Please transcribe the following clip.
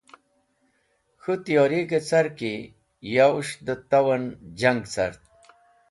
K̃hũ tiyorig̃hi car ki yowes̃h dẽ tow en jang cart.